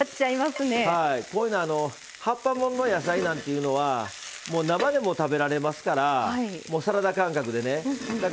こういうのは葉っぱもんの野菜っていうのは生でも食べられますからサラダ感覚でね。